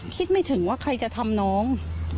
คิดไม่ถึงว่าใครจะทำน้อง